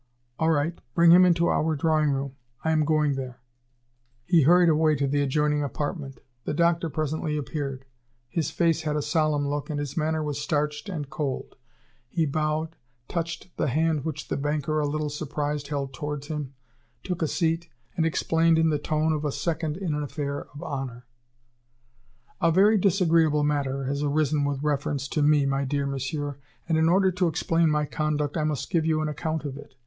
"All right. Bring him into our drawing room. I am going there." He hurried away to the adjoining apartment. The doctor presently appeared. His face had a solemn look, and his manner was starched and cold. He bowed, touched the hand which the banker, a little surprised, held toward him, took a seat, and explained in the tone of a second in an affair of honor: "A very disagreeable matter has arisen with reference to me, my dear Monsieur, and, in order to explain my conduct, I must give you an account of it.